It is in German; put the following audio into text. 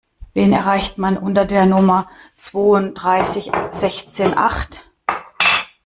Wen erreicht man unter der Nummer zwounddreißig sechzehn acht?